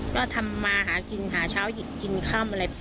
ก็ทำมาหากินหาเช้าหยุดกินค่ำอะไร